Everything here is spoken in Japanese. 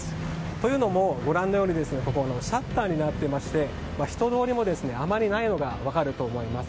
というのも、ご覧のようにシャッターになっていまして人通りもあまりないのが分かると思います。